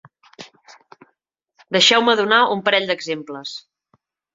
Deixeu-me donar un parell d’exemples.